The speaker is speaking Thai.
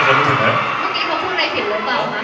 เมื่อกี้เค้าพูดอะไรผิดหรือเปล่านะ